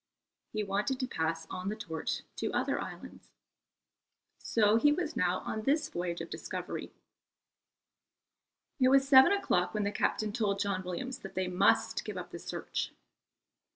He wanted to pass on the torch to other islands. So he was now on this voyage of discovery. It was seven o'clock when the captain told John Williams that they must give up the search.